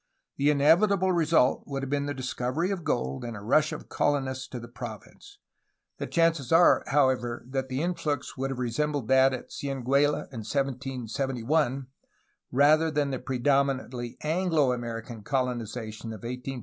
The inevitable result would have been the discovery of gold and a rush of colonists to the ANTONIO BUCARELI 275 province. The chances are, however, that the influx would have resembled that at Cieneguilla in 1771, rather than the predominantly Anglo American colonization of 1848 1849.